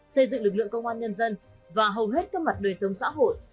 xây dựng lực lượng công an nhân dân và hầu hết các mặt đời sống xã hội